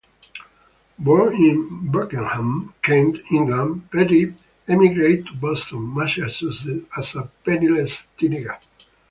Born in Beckenham, Kent, England, Pettitt emigrated to Boston, Massachusetts as a penniless teenager.